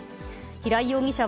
平井容疑者は、